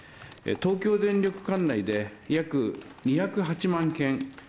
東京電力管内で約２０８万件。